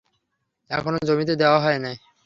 এখনো জমিতে দেওয়া হয় নাই।